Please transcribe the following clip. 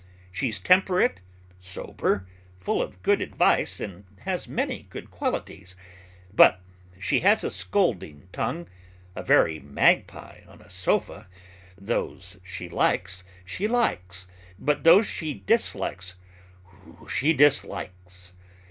She's temperate, sober, full of good advice, and has many good qualities, but she has a scolding tongue, a very magpie on a sofa, those she likes, she likes, but those she dislikes, she dislikes!